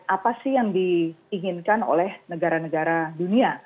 apa sih yang diinginkan oleh negara negara dunia